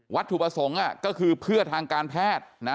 วัดถูปสงฆ์ก็คือเพื่อทางการแพทย์